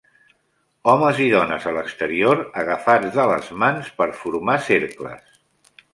Homes i dones a l'exterior agafats de les mans per formar cercles.